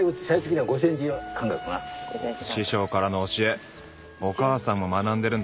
師匠からの教えお母さんも学んでるんだね。